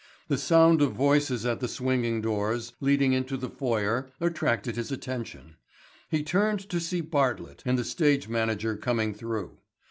The sound of voices at the swinging doors leading into the foyer attracted his attention. He turned to see Bartlett and the stage manager coming through.